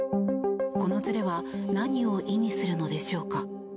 このずれは何を意味するのでしょうか。